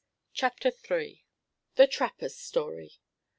CHAPTER III. THE TRAPPER'S STORY.